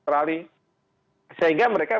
raleigh sehingga mereka